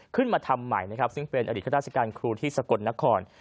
ขึ้นมาทำใหม่นะครับซึ่งเป็นอดีตข้าราชการครูที่สกลนคร